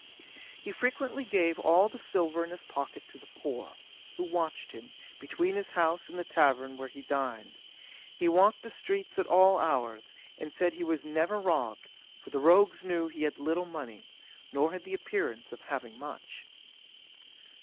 'He frequently gave all the silver in his pocket to the poor, who watched him, between his house and the tavern where he dined. He walked the streets at all hours, and said he was never robbed, for the rogues knew he had little money, nor had the appearance of having much.